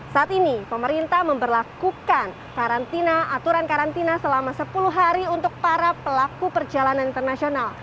saat ini pemerintah memperlakukan karantina aturan karantina selama sepuluh hari untuk para pelaku perjalanan internasional